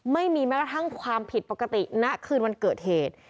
ไม่มีแม้กระทั่งความผิดปกติณคืนวันเกิดเหตุ